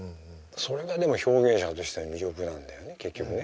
それがでも表現者としての魅力なんだよね結局ね。